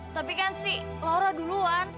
tapi kan si laura duluan